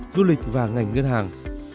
dư lịch và ngành ngân hàng